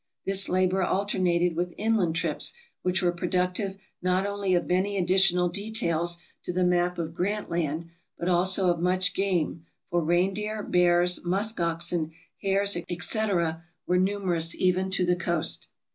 This labor alternated with inland trips which were productive not only of many additional details to the map of Grant Land, but also of much game, for reindeer, bears, musk oxen, hares, etc., were numerous even to the coast.